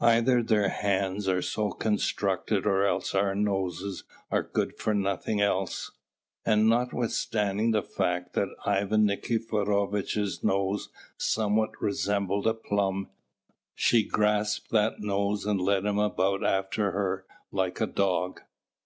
Either their hands are so constructed or else our noses are good for nothing else. And notwithstanding the fact that Ivan Nikiforovitch's nose somewhat resembled a plum, she grasped that nose and led him about after her like a dog.